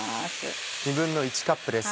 １／２カップです。